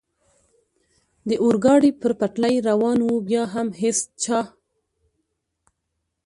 د اورګاډي پر پټلۍ روان و، بیا هم هېڅ چا.